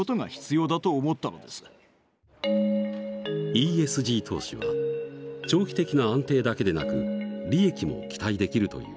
ＥＳＧ投資は長期的な安定だけでなく利益も期待できるという。